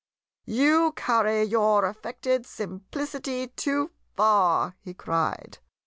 "You carry your affected simplicity too far," he cried.